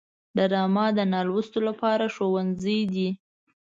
ډرامه د نالوستو لپاره ښوونځی دی